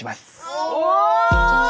お！